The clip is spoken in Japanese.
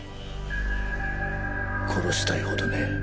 殺したいほどね。